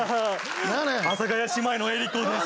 阿佐ヶ谷姉妹の江里子です。